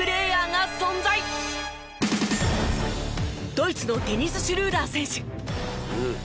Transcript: ドイツのデニス・シュルーダー選手。